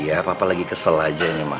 iya papa lagi kesel aja mak